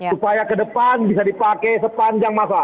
supaya kedepan bisa dipakai sepanjang masa